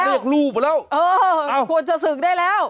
เป็นเรียกลูบละเออควรจะสึกได้แล้ว